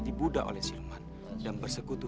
dibudak oleh silman dan bersekutu